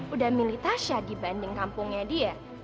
udah milih tasya dibanding kampungnya dia